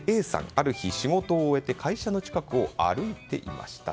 ある日、仕事を終えて会社の近くを歩いていました。